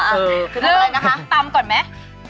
คือต้นเหมือนกันคะตำก่อนไหม